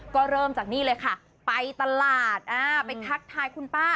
ก็เริ่มจากนี่เลยค่ะไปตลาดไปทักทายคุณป้า